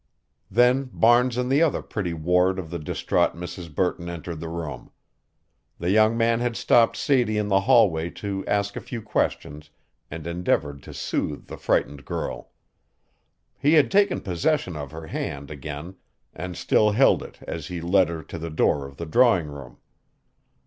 Then Barnes and the other pretty ward of the distraught Mrs. Burton entered the room. The young man had stopped Sadie in the hallway to ask a few questions and endeavored to soothe the frightened girl. He had taken possession of her hand again and still held it as he led her to the door of the drawing room.